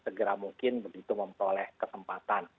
segera mungkin begitu memperoleh kesempatan